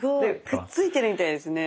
くっついてるみたいですね。